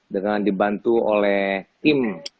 dengan dibantu oleh tim